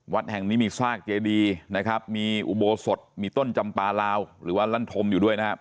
วัดแห่งนี้มีซากเจดีนะครับมีอุโบสถมีต้นจำปลาลาวหรือว่าลั่นธมอยู่ด้วยนะครับ